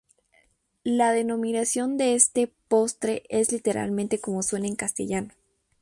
La denominación de este postre es literalmente como suena en castellano.